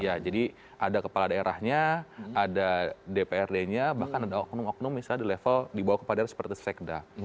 ya jadi ada kepala daerahnya ada dprd nya bahkan ada oknum oknum misalnya di level di bawah kepala daerah seperti sekda